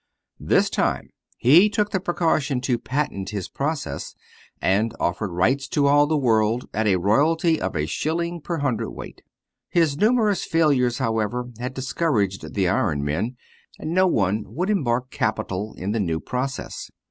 This time he took the precaution to patent his process, and offered rights to all the world at a royalty of a shilling per hundredweight. His numerous failures, however, had discouraged the iron men, and no one would embark capital in the new process.